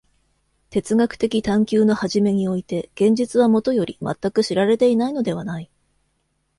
哲学的探求の初めにおいて現実はもとより全く知られていないのではない。